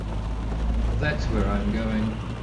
That's where I'm going.